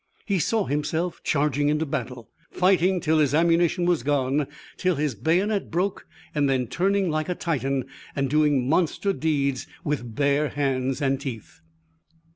He saw himself charging into battle, fighting till his ammunition was gone, till his bayonet broke; and then turning like a Titan and doing monster deeds with bare hands. And teeth.